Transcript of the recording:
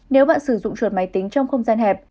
nếu bạn sử dụng chuột máy tính trong không gian hẹp